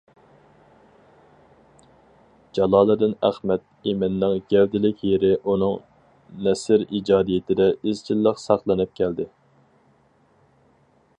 جالالىدىن: ئەخمەت ئىمىننىڭ گەۋدىلىك يېرى ئۇنىڭ نەسر ئىجادىيىتىدە ئىزچىللىق ساقلىنىپ كەلدى.